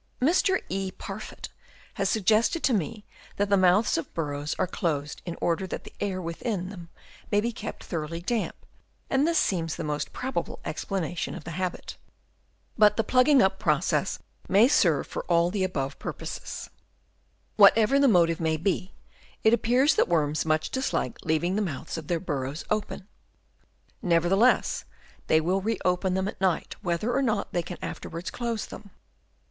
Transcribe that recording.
Mr. E. Parfitt has suggested to me that the mouths of the burrows are closed in order that the air within them may be kept thoroughly damp, and this seems the most probable explanation of the habit. But the *' Familie der Regenwurmer,' p. 19. F 66 HABITS OF WORMS. Chap. II. plugging up process may serve for all the above purposes. Whatever the motive may be, it appears that worms much dislike leaving the mouths of their burrows open. Nevertheless they will reopen them at night, whether or not they can afterwards close them.